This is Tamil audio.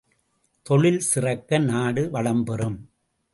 தொழில் சிறக்க, நாடு வளம்பெறும்.